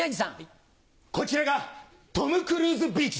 こちらがトム・クルーズビーチです。